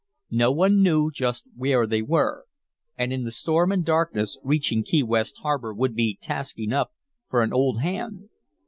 No one knew just where they were, and in the storm and darkness reaching Key West harbor would be task enough for an old hand.